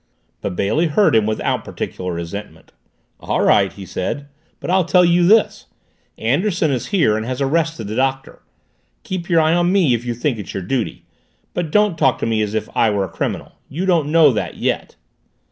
But Bailey heard him without particular resentment. "All right," he said. "But I'll tell you this. Anderson is here and has arrested the Doctor. Keep your eye on me, if you think it's your duty, but don't talk to me as if I were a criminal. You don't know that yet."